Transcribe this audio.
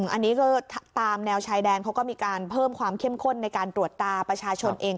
อันนี้ก็ตามแนวชายแดนเขาก็มีการเพิ่มความเข้มข้นในการตรวจตาประชาชนเอง